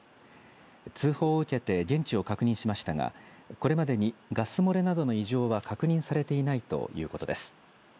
通報を受けて現地を確認しましたがこれまでにガス漏れなどの異常は確認されていないということです。